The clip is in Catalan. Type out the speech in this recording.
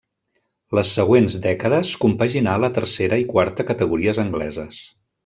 Les següents dècades compaginà la Tercera i Quarta categories angleses.